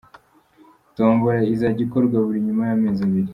Tombola izajya ikorwa buri nyuma y’amezi abiri.